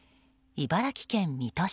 茨城県水戸市。